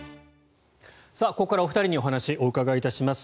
ここからお二人にお話をお伺いします。